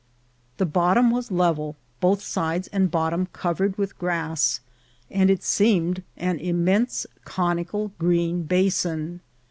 The bot tom was level, both sides and bottom covered with grass, and it seemed an immense conical green basin.